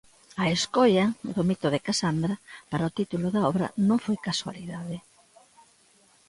A escolla do mito de Casandra para o título da obra non foi casualidade.